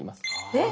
えっ！